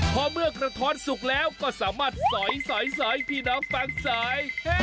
พอเมื่อกระท้อนสุกแล้วก็สามารถสอยสายพี่น้องบางสาย